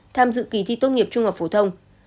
tham dự kỳ thi tốt nghiệp trung học phổ thông